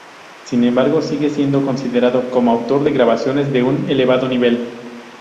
Sin embargo sigue siendo considerado como autor de grabaciones de un elevado nivel.